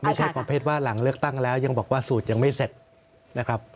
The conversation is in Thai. ไม่ใช่ประเภทว่าหลังเลือกตั้งแล้วยังบอกว่าสูตรยังไม่เสร็จนะครับ